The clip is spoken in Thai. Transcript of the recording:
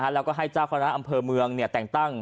แล้วก็ให้เจ้าคณะอำเภอเมืองแต่งตั้ง